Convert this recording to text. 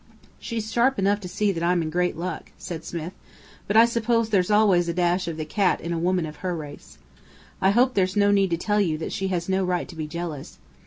"She's sharp enough to see that I'm in great luck," said Smith. "But I suppose there's always a dash of the cat in a woman of her race. I hope there's no need to tell you that she has no right to be jealous.